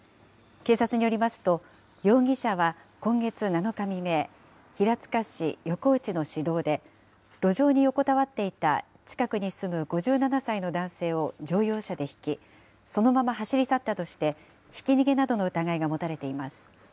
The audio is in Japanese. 警察によりますと、容疑者は今月７日未明、平塚市横内の市道で、路上に横たわっていた近くに住む５７歳の男性を乗用車でひき、そのまま走り去ったとして、ひき逃げなどの疑いが持たれています。